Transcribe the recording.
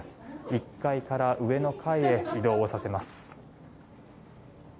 １階から上の階へ移動をさせます。